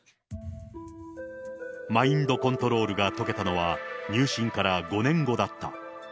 マインドコントロールが解けたのは入信から５年だった。